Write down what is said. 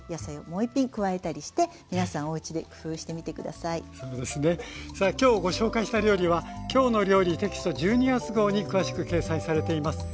さあ今日ご紹介した料理は「きょうの料理」テキスト１２月号に詳しく掲載されています。